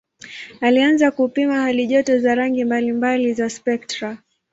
Alianza kupima halijoto za rangi mbalimbali za spektra.